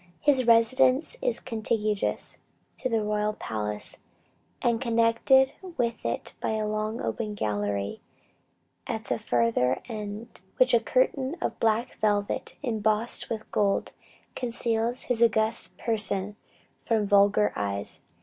His residence is contiguous to the royal palace, and connected with it by a long open gallery, at the further end of which a curtain of black velvet embossed with gold, conceals his august person from vulgar eyes.